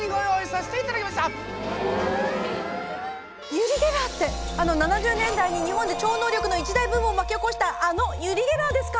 ユリ・ゲラーってあの７０年代に日本で超能力の一大ブームを巻き起こしたあのユリ・ゲラーですか？